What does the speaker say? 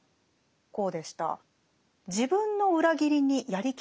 こうでした。